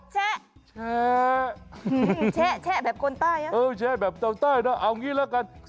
๑๒๓แช่แช่แบบโกนใต้งี่แหละกัน